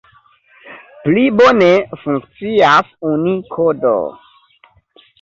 Pli bone funkcias Unikodo.